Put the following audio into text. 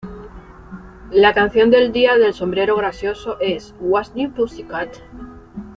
La canción del "Día del sombrero gracioso" es "What's New Pussycat?